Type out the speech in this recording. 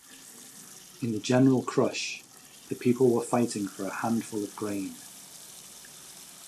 In the general crush the people were fighting for a handful of grain.